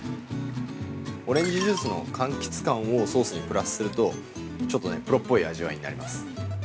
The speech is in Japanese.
◆オレンジジュースのかんきつ感をソースにプラスするとちょっとプロっぽい味わいになります。